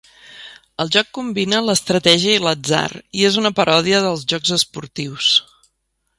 El joc combina l'estratègia i l'atzar i és una paròdia dels jocs esportius.